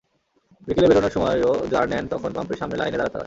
বিকেলে বেরোনোর সময়ও জার নেন, তখন পাম্পের সামনে লাইনে দাঁড়াতে হয়।